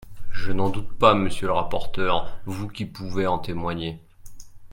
Je n’en doute pas, monsieur le rapporteur, vous qui pouvez en témoigner.